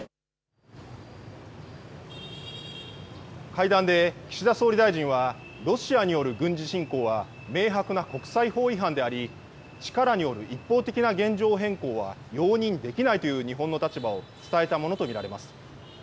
会談で岸田総理大臣はロシアによる軍事侵攻は明白な国際法違反であり、力による一方的な現状変更は容認できないという日本の立場を伝えたものと見られます。